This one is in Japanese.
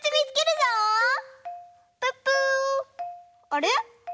あれ？